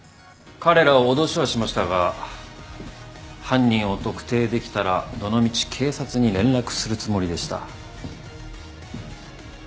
彼らを脅しはしましたが犯人を特定できたらどのみち警察に連絡するつもりでした。